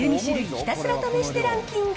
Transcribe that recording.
ひたすら試してランキング。